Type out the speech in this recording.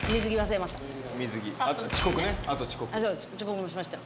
遅刻もしました。